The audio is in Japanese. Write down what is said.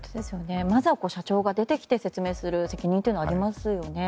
まずは社長が出てきて説明する責任がありますね。